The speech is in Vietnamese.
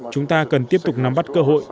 chúng ta cần tiếp tục nắm bắt cơ hội